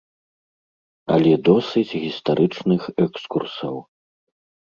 Але досыць гістарычных экскурсаў.